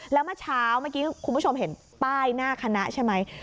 แล้วเมื่อเช้าเมื่อกี้คุณผู้ชมเห็นป้ายหน้าคณะใช่ไหม